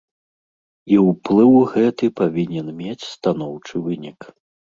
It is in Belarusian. І ўплыў гэты павінен мець станоўчы вынік.